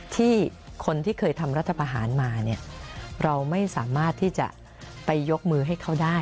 ที่คนที่เคยทำรัฐประหารมาเนี่ยเราไม่สามารถที่จะไปยกมือให้เขาได้